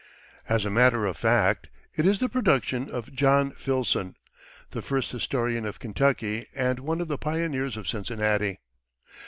As a matter of fact, it is the production of John Filson, the first historian of Kentucky and one of the pioneers of Cincinnati.